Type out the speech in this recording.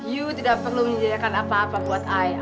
lu tidak perlu mau disediakan apa apa buatku